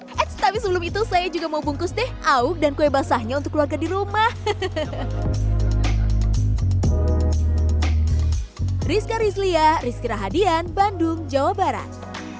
eits tapi sebelum itu saya juga mau bungkus deh aup dan kue basahnya untuk keluarga di rumah